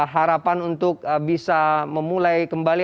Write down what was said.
harapan untuk bisa memulai kembali